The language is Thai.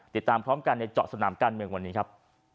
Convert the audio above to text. ติดตามพร้อมกันในเจาะสนามการเมืองวันนี้ครับ